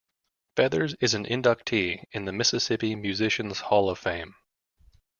Feathers is an inductee in the Mississippi Musicians Hall of Fame.